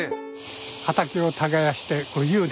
畑を耕して５０年。